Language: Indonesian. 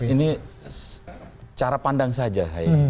ini cara pandang saja